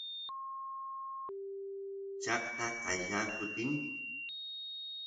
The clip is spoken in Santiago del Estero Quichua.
llaqta qaylla kutin